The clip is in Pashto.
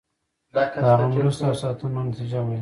د هغه مرستو او ساتنو نتیجه وینو.